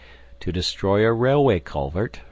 To destroy a railway culvert R.